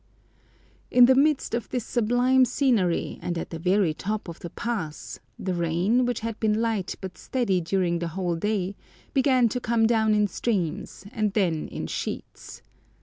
In the midst of this sublime scenery, and at the very top of the pass, the rain, which had been light but steady during the whole day, began to come down in streams and then in sheets.